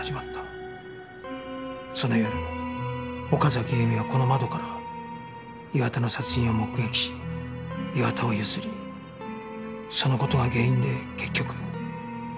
その夜岡崎由美はこの窓から岩田の殺人を目撃し岩田をゆすりその事が原因で結局